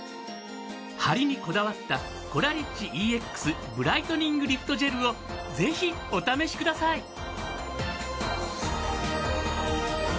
ハリにこだわったコラリッチＥＸブライトニングリフトジェルをぜひお試しください。